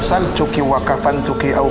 saya akan mencari jalan